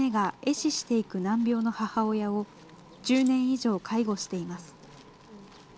死していく難病の母親を、１０年以上介護しています。